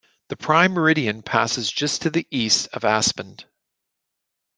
The Prime Meridian passes just to the east of Aspenden.